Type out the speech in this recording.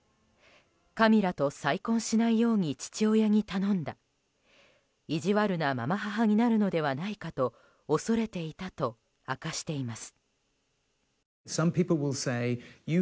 カミラと再婚しないように父親に頼んだ意地悪な継母になるのではないかと恐れていたと明かしています。